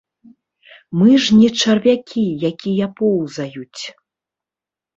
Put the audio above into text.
Мы ж не чарвякі, якія поўзаюць.